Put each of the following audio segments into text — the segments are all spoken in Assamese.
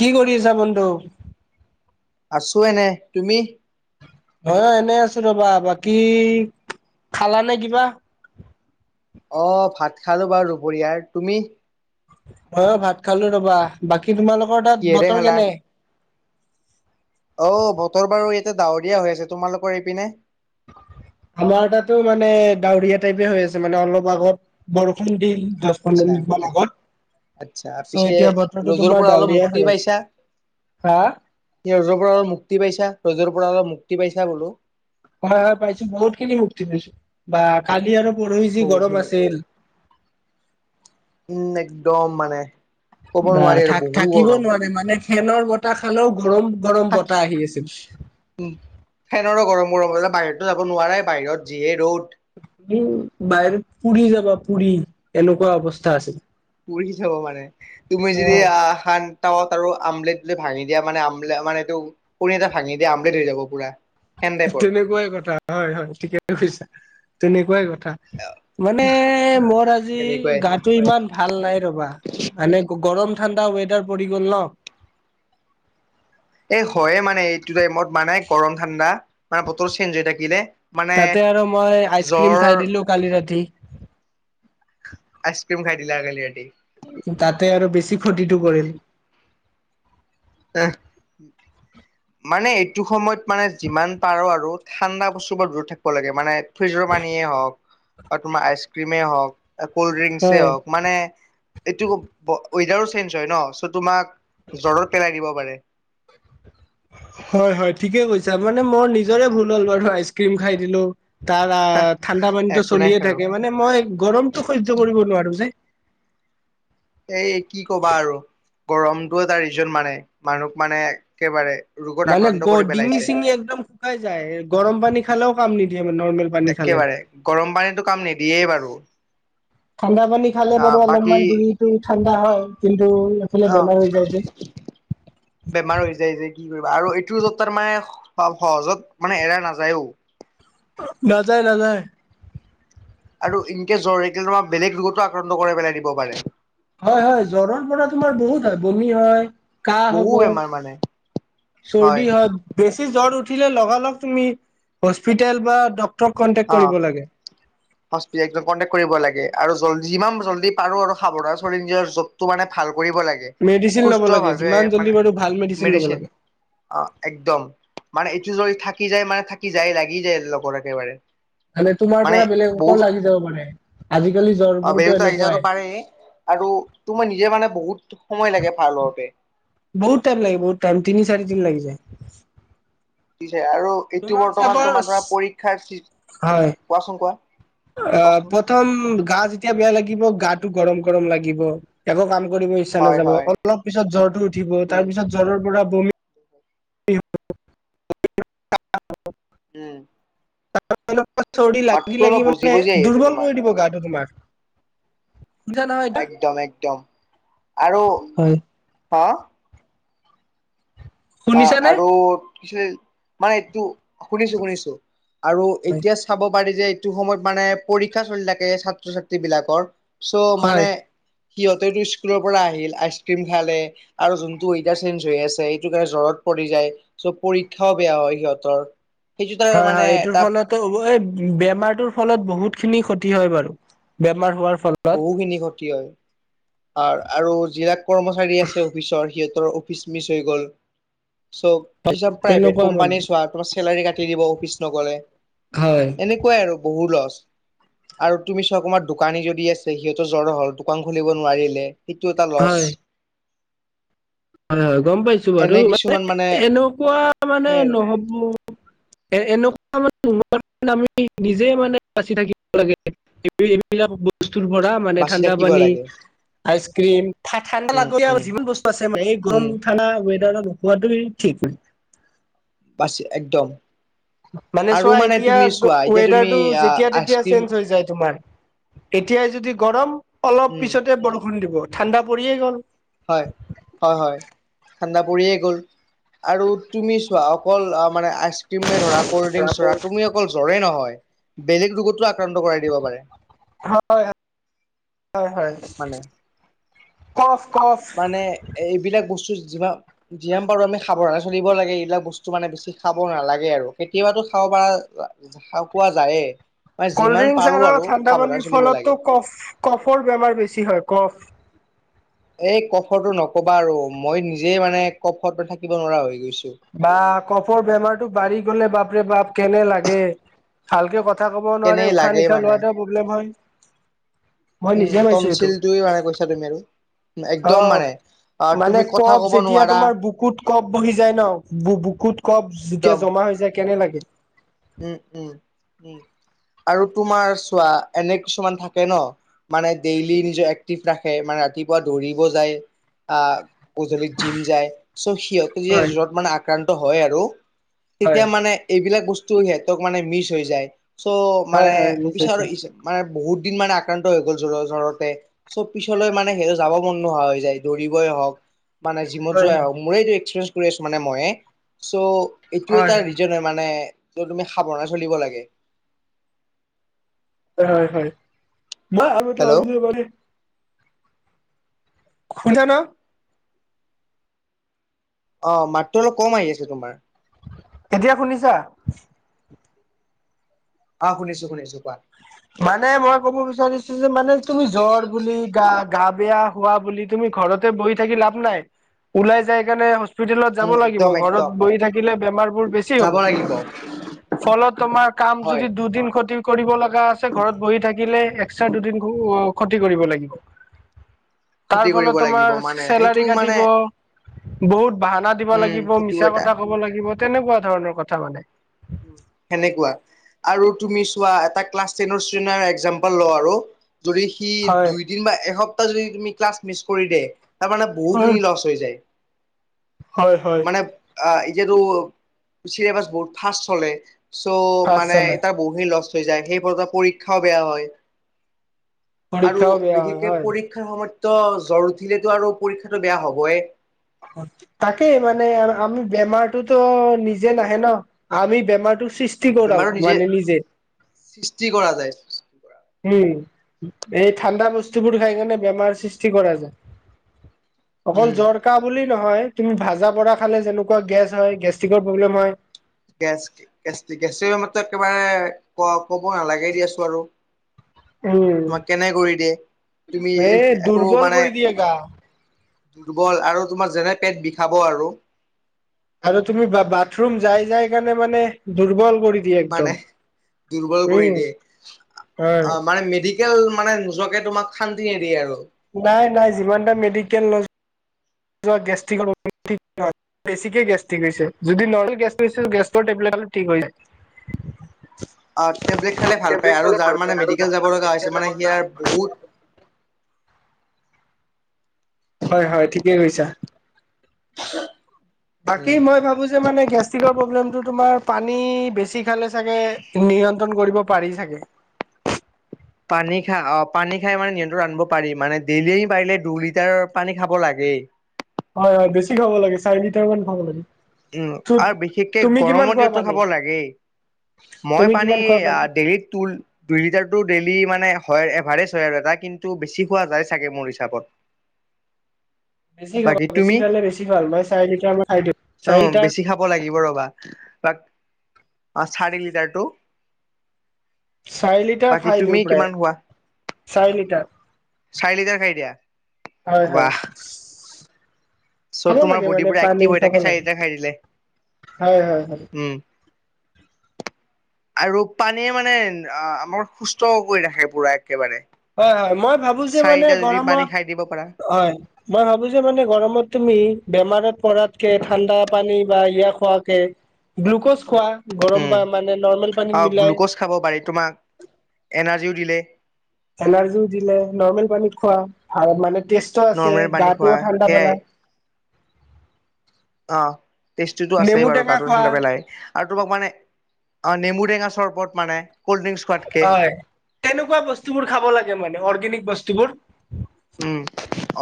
কি কৰি আছা বন্ধু? আছোঁ এনেই, তুমি? অ', অ, এনেই আছোঁ ৰবা, বাকী খালা নে কিবা? অ', ভাত খালো বাৰু দুপৰীয়াৰ। তুমি? ময়ো ভাত খালো ৰবা, বাকী তোমালোকৰ তাত কিহেৰে বতৰ কেনে? অহ, বতৰ বাৰু ইয়াতে ডাৱৰীয়া হৈ আছে। তোমালোকৰ এইপিনে? আমাৰ তাতো মানে ডাৱৰীয়া টাইপেই হৈ আছে মানে, অলপ আগত বৰষুণ দি দচ পন্ধৰ আচ্ছা মিনিটমান আগত। আচ্ছা, চ' পিছে এতিয়া বতৰটো ৰদৰ তোমাৰ পৰা অলপ ডাৱৰীয়াই হৈ মুক্তি আছে। পাইছা? হা ৰদৰ পৰা অলপ মুক্তি পাইছা ৰদৰ পৰা অলপ মুক্তি পাইছা বোলো। হয়, হয়, পাইছোঁ, বহুত খিনি মুক্তি পাইছোঁ বা কালি আৰু পৰহি যি গৰম বহুখিনি আছিল। উম, একদম মানে। ক'ব বাহ, নোৱাৰি আৰু বহু থা-থাকিব গৰম নোৱাৰি মানে, ফেনৰ বতাহ খালেও গৰম গৰম বতাহ আহি আছিল। উম, ফেনৰো গৰম। [unintelligible] বাহিৰতো যাব নোৱাৰে বাহিৰত যিয়ে ৰ'দ। উ, বাহিৰত পুৰি যাবা পুৰি, এনেকুৱা অৱস্থা আছিল। পুৰি যাব মানে তুমি যদি আহ সান তাৱত আৰু আমলেট ভাঙি দিয়া মানে আমলে মানে আমাৰ এইটো [unintelligible] এটা ভাঙি দিয়া আমলেট হৈ যাব পুৰা। সেন টাইপৰ তেনেকুৱাই কথা হয়, হয়, ঠিকেই কৈছা, তেনেকুৱাই কথা। মানে মোৰ আজি তেনেকুৱাই গাটো ইমান ভাল নাই ৰবা, মানে গৰম ঠাণ্ডা ৱেডাৰ পৰি গ'ল ন'। এই হয়ে মানে এইটো টাইমত মানে গৰম ঠাণ্ডা মানে বতল চেঞ্জ হৈ থাকিলে। মানে তাতে আৰু মই জ্বৰ আইচক্ৰীম খাই দিলো কালি ৰাতি। আইসক্ৰীম খাই দিলা কালি ৰাতি? তাতে আৰু বেছি ফ্ষতিটো কৰিল। আহ', মানে এইটো সময়ত মানে যিমান পাৰো আৰু ঠাণ্ডা বস্তুৰ পৰা দূৰত থাকিব লাগে, মানে ফ্ৰিজৰ পানীয়েেই হওক, আৰু তোমাৰ আইচক্ৰীমেই হওক কল্ড ড্ৰিংকছে হয় হওক, মানে এইটো ৱে-ৱেডাৰো চেঞ্জ হয় ন চ' তোমাক জ্বৰত পেলাই দিব পাৰে। হয়, হয়, ঠিকে কৈছা। মানে মোৰ নিজৰে ভুল হ'ল বাৰু আইচক্ৰীম খাই দিলো তাৰ আ, ঠাণ্ডা পানীটো একো নাই চলিয়ে আৰু থাকে, মানে মই গৰমতটো সয্য কৰিব নোৱাৰো যে। এই কি কবা আৰু গৰমটো এটা ৰিজন মানে মানুহক মানে একেবাৰে ৰোগত মানে আক্ৰান্ত গ কৰি ডিঙি পেলাইছে চিঙি একদম শুকাই যায়, গৰম পানী খালেও কাম নিদিয়ে। মানে নৰ্মেল পানী খালে একেবাৰে, গৰম পানীতো কাম নিদিয়েই বাৰু। ঠাণ্ডা পানী খালে আহ বাৰু বাকী অলপমান দেৰি ঠাণ্ডা হয়, কিন্তু এইফালে আহ বেমাৰ হৈ যায় যে। বেমাৰ হৈ যায় যে কি কৰিবা, আৰু এইটো যত তাৰ মানে সহজত মানে এৰা নাযায়ও। নাজায়, নাজায়। আৰু ইনকছ জ্বৰে এতিয়া তোমাৰ বেলেগ ৰোগতো আক্ৰান্ত কৰেই পেলাই দিব পাৰে। হয়, হয়, জ্বৰৰ পৰা তোমাৰ বহুত হয়, বমি হয় কাহ বহু হ'ব বেমাৰ মানে হয় চৰ্দি হ'ত বেছি জ্বৰ উঠ [inaudible] অস্পিজন কণ্টেকট কৰিব লাগে। আৰু জল্দি যিমান জল্দি পাৰো আৰু সাৱধান চল নিজৰ য'তটো মানে ভাল। কৰিব লাগে, মেডিচিন ল'ব লাগে সুস্থভাৱে যিমান জল্দি মানে বাৰু ভাল ল'ব মেডিচিন লাগে অ, একদম মান এইটো যদি থাকি যায় মানে থাকি যায়, লাগি যায়, লগৰ একেবাৰে। মানে তোমাৰ পৰা বেলেগ অকল লাগি যাব পাৰে। আজিকালি অ, জ্বৰবোৰতো বেহুতো আহি যা এনেকুৱাই পাৰে আৰু তোৰ মই নিজে মানে বহুত সময় লাগে ভাৰ লোৱাতেৱ বহুত তাইম লাগে বহুত ম, তিনি, চাৰে তিনি লাগি যায়। পিছে আৰু এইটো তোমাৰ বৰ্তমান তোমাৰ চাপজ ধৰা পৰীক্ষাৰ হয় কোৱাচোন, কোৱা। অ, কোৱাচোন প্ৰথম গা যেতিয়া বেয়া লাগিব গাটো গৰম, গৰম লাগিব একৌ কাম কৰিব ইচ্ছা হয় নাযাব, হয় অলপ পিছত জ্বৰটো উঠিব, উম তাৰ পিছত জ্বৰৰ পৰা [inaudible] উম। তাৰ চৰ্দি মাতটো লাগি, অলপ লাগি বুজি মানে বুজি আহি আছে দুৰ্বল তোমাৰ কৰি দিব গাটো তোমাক। একদম, একদম আৰু হয় হা অ, শুনিছানে আৰু কি মানে এইটো শুনিছো, শুনিছো। আৰু হয় এতিয়া চাব পাৰি যে এইটো সময়ত মানে পৰীক্ষা চলি থাকে ছাত্ৰ, ছাত্ৰী বিলাকৰ। চ' মানে হয় সিহঁতে স্কুলৰ পৰা আহিল আইচ ক্ৰীম খালে আৰু যোনতটো ৱেডাৰ চেঞ্জ হৈ আছে। কাৰণে জ্বৰত পৰি যায় চ' পৰীক্ষাও বেয়া হয়, সিহঁতৰ সেইটো তাৰ হয়, মানে হয় এইটোৰ এটা ফলতো বেমাৰটোৰ ফলত বহুত খিনি ক্ষতি হয় বাৰু বেমাৰ হোৱাৰ ফ বহুখিনি ক্ষতি হয় আৰু যিলাক কৰ্মচাৰী আছে, অফিচৰ সিহঁত অফিচ মিছ হৈ গ'ল। চ, কিছুমান প্ৰাইভেট তেনেকুৱা মানে কোম্পানী চোৱা, তোমাৰ চেলাৰী কাটি দি'ব অফিচ নগলে। হয় এনেকুৱাই আৰু বহু লছ আৰু তুমি চব তমাৰ দোকানী যদি আছ সিহতৰ জ্বৰৰ হল, দোকান খুলিব নোৱাৰিলে সেইটো এটা লচ। হয় হয়, হয়, গম পাইছো বাৰু এনে মানে কিছুমান এনেকুৱা মানে সেই আৰু নহব এ, এনেকুৱা মানে আমি নিজে মানে বাচি থাকিব লাগে এইবিলাক বস্তু। ভ, মানে বাচি ঠা থাকিব পানী লাগে উম উম আইচমি বস্ত আ [unintelligible] এই গৰম উম ঠাণ্ডা ৱেডাৰোৱাটো ঠিক ন। বাছি একদম মানে আৰু চোৱা এতিয়া তুমি চোৱা এতিয়া তুমি ৱেডাৰটো আহ যেতিয়া তেতিয়া আইচক্ৰীম চেঞ্জ হৈ যায় তোমাৰ। এতিয়াই যদি গৰম অলপ উম পিছতে বৰষুণ দিব ঠাণ্ডা পৰিয়ে গ'ল। হয় হয় হয় ঠাণ্ডা পৰিয়ে গ'ল আৰু তুমি চোৱা অকল মানে আইচ ক্ৰীম মে ধৰা অ, জই হয়, হয়, হয়। মানে কফ কফ মানে এইবিলাক বস্তু যিমান যিাম পাৰো আমি সাৱধানে চলিব লাগে। এইবিলাক বস্তু মানে বেছি খাব নালাগে আৰু কেতিয়াবাতো খাওঁ। কোৱা যায়ে। মানে ক'ল্ড যিমান ড্ৰিংকছ পাৰো আৰু ঠাণ্ডা সাৱধানে পানীৰ চলিব লাগে ফলতোফ কফৰ বেমাৰ বেছি হয়। কফ এই কফটো নকবা আৰু মই নিজে মানে কফটো থাকিব নোৱাৰা হৈ গৈছো। বা কফৰ বেমাৰতটো বাঢ়ি গলে বাপৰে বাপ কেনে লাগে ভালকে কথা কথা ক'ব কেনে নোৱাৰে উশাহ, লাগে নিশাহ মানে লোৱাটো প্ৰব্লেম হয়। মই উম, নিজে পাইছো এইটো তনচিলটোৱে মানে কৈছা তুমি আৰু অ একদম মানে আহ মানে তুমি কথা কপ কব যেতিয়া নোৱাৰা তোমাৰ বুকুত কপ বহি যায় ন, বুকুত কপ যেতিয়া একদম জমা হৈ যায়। কেনে লাগে? উম, উম, উম। আৰু তোমাৰ চোৱা এনে কিছুমান থাকে ন। মানে ডেইলি নিজে এক্টিভ ৰাখে মানে ৰাতিপুৱা দৌৰিব যায়, আ গধূলিত জিম যায়, চ' সিহঁতে যে হয় জৰত মানে আক্ৰান্ত হয় আৰু হয় তেতিয়া মানে এইবিলাক বস্তু সিহঁতক মানে মিচ হৈ যায়। চ' হয় মানে হয় নিশ্চয় পিছাৰো [unintelligible] মানে বহুত দিন মানে আক্ৰান্ত হৈ গ'ল জৰ-জৰতে, চ' পিছলৈ মানে সেইটো যাব মন নোহোৱা হৈ যায় দৌৰিবই হওঁক মানে জিমত হয় যোৱা আ, হয় মোৰেইটো এক্সপিৰিয়েন্ঞ্চ কৰি আছো মানে মইয়ে। চ এইটো এটা হয় ৰিজন মানে, ত তুমি সাৱধানে চলিব লাগে। হয় হয় হয়। মই আৰু এটা হেল্ল' ভাবিলোঁ মানে শুনছা ন? অ', মাতটো অলপ কম আহি আছে তোমাৰ। এতিয়া শুনিছা? আ শুনিছোঁ শুনিছোঁ। মানে মই ক'ব বিচাৰিছোঁ যে মানে তুমি জ্বৰ বুলি, গা গা বেয়া হোৱা বুলি তুমি ঘৰতে বহি থাকি লাভ নাই, ওলাই যাই কানে হচ হস্পিতেলত যাব উম লাগিব একদম ঘৰত একদম বহি থাকিলে বেমাৰবোৰ বেছি হ'ব। যাব লাগিব ফলত তোমাৰ কাম হয় যদি দুদিন ক্ষতি কৰিব লগা আছে ঘৰত বহি থাকিলে এক্সট্ৰা দুদিন ক্ষতি কৰিব লাগিব। ক্ষতি তাৰ কৰিব ফলত লাগিব তোমাৰ মানে চেলাৰী সেইটো মানে কাটিব বহুত বাহানা দিব উম লাগিব, সেইটো মিছা এটা কথা ক'ব লাগিব তেনেকুৱা ধৰণৰ কথা মানে। সেনেকুৱা, আৰু তুমি চোৱা এটা ক্লাছ টেনৰ ষ্টুডেণ্টৰে এক্জাম্পল লওঁ আৰু। যদি সি হয় দুইদিন বা এসপ্তাহ যদি তুমি ক্লাছ মিচ কৰি দে। তাৰ মানে হয় বহুখিনি লছ হৈ যায়। হয় হয় মানে আ এ যিহেতু চিলেবাছ বহুত ফাষ্ট চলে, চ' পাছ মানে এ চালে তাৰ বহুখিনি লছ থৈ যায়, সেই বছৰ পৰীক্ষাও বেয়া হয়। আৰু পৰীক্ষাও বেয়া হয় বিশেষকে হয় পৰীক্ষাৰ সময়ত ত জ্বৰ উঠিলেতো আৰু পৰীক্ষাতটো বেয়া হ'বই। তাকেই মানে আৰ আমি বেমাৰটোতো নিজে নাহে ন, আমি বেমাৰটো সৃষ্টি কৰাও মানে নিজে। সৃষ্টি কৰা যায়। উম। এই ঠাণ্ডা বস্তুবোৰ খাই কেনে বেমাৰ সৃষ্টি কৰা যায়। অকল উম, জ্বৰ কাহ বুলি নহয়, তুমি ভাজা পোৰা খালে যেনেকুৱা গেছ হয় গেষ্ট্ৰিকৰ প্ৰব্লেম হয় গেছ গেছটিক [unintelligible] একেবাৰে ক-ক'ব নালাগেই দিয়াছোন আৰু। উম তোমাক কেনে কৰি দিয়ে, তুমি এই এক একো দুৰ্বল মানে কৰি দিয়ে গা দুৰ্বল আৰু তোমাৰ যেনে পেট বিষাব আৰু। আৰু তুমি বা-বাথৰুম যাই যাই কেনে মানে দুৰ্বল কৰি দিয়ে একদম মানে, দুৰ্বল কৰি উম দিয়ে। হয় আ, মানে মেডিকেল মানে নোযোৱাকে তোমাক শান্তি নিদিয়ে আৰু। নাই নাই যিমানটা মেডিকেল নযো [unintelligible] বেছিকেই গেষ্টিক হৈছে, যদি নৰ্মেল গেছ হৈছে গেছৰ টেবলেট [unintelligible] ঠিক হৈ যা [unintelligible] অ', টেবলেট খালে ভাল পায় টেবলেট আৰু খালে যাৰ ভাল পায় মানে আৰু মেডিকেল যাৰ যাব মানে লগা মেডিকেল হৈছে যাব মানে সিয়াৰ বহুত [unintelligible] হয় হয়, ঠিকেই কৈছা। [inaudible] বাকী উম। মই ভাবো যে মানে গেষ্টিকৰ প্ৰব্লেমটো তোমাৰ পানী বেছি খালে চাগে নিয়ন্ত্ৰণ কৰিব পাৰি চাগে। পানী খা অ', পানী খাই মানে নিয়ন্তনত আনিব পাৰি, মানে ডেইলি পাৰিলে দুই লিটাৰৰ পানী খাব লাগে। [inaudible] হয় হয় বেছি খাব লাগে চাৰি লিটাৰ মান খাব লাগে উম আৰু বিশেষকে তুমি কিমান গৰমৰ খোৱা দিনো পানী? খাব লাগেই মই তুমি পানী কিমান খোৱা পানী? ডেইলিত ত দুই লিটাৰতো ডেই মানে হয় এভাৰেজ হয় আৰু এটা কিন্তু বেছি হোৱা যায় চাগে মোৰ হিচাপত বেছি খাব বাকী বেছি তুমি খালে বেছি খল মই চাই খাই দিম অ বেছি খাব লাগিব ৰ'বা তাক অ চাৰি লিটাৰটো চাহ লিটাৰ বাকী খাই তুমি দিওঁ পাৰে কিমান চাহি লিটাৰ চাইলিিতাৰ খাই দিয়া হয় হয় ৱাহ চ' খাব তোমাৰ লাগে বডি মানে পুৰা পানী এক্টিভ হৈ খাব থাকে চাৰি লাগে লিটাৰ খাই দিলে। হয় হয় হয় উম [inaudible] আৰু পানীয়ে মানে আমাৰ সুস্থ কৰি ৰাখে পুৰা একেবাৰে হয় হয় মই ভাবো যে মানে চাৰিটা যদি পানী গৰমত খাই দিব পাৰা হয় মই ভাবো যে মানে গৰমত তুমি বেমাৰত পৰাতকে ঠাণ্ডা পানী বা ইয়া খোৱাকে গ্লুকজ খোৱা গৰম উম প মানে নৰ্মৰ্মেল পানীত অ মিলাই গ্লুক'জ দুৰিলেে এনাৰ্জিও দিলে নৰ্মেল পানীত খোৱা ভ মানে যথেষ্ট আছে নৰ্মেল পানী খোৱা গাটোও ঠাণ্ডা সেয়াই বনাই অ টেষ্টিটো আছেই নেমু বাৰু টেঙা গাটো খোৱা ঠাণ্ডা পেলাই আৰু তোমাক মানে অ নেমু টেঙা চৰ্বত মানে কল্ড ড্ৰিংকচ খোৱাতকে হয় কেনেকুৱা বস্তুবোৰ খাব লাগে মানে অৰ্গেনিক বস্তুবোৰ উম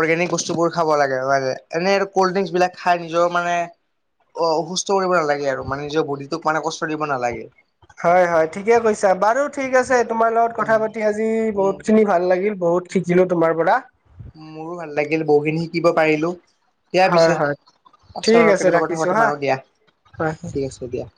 অৰ্গেনিক বস্তু বোৰ খাব লাগে হয় নে এনে আৰু কল্ড ড্ৰিংকচ বিলাক খাই নিজৰ মানে অ অসুস্থ কৰিব নালাগে আৰু মানে নিজৰ বডিটোক মানে কষ্ট দিব নালাগে হয় হয় ঠিকে কৈছা বাৰু ঠিক আছে তোমাৰ লগত কথা উম পাতি আজি উম বহুত খিনি ভাল লাগিল বহুত শিকিলোঁ তোমাৰ পৰা মোৰো ভাল লাগিল বহুখিনি শিকিব পাৰিলো দিয়া হয় পিছে হয় ঠিক ওচৰৰ আছে কেতিয়াবা কথা ৰাখিছো পাতিম হা আৰু দিয়া হয় ঠিক আছে দিয়া